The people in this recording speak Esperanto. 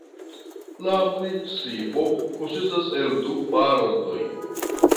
La municipo konsistas el du partoj.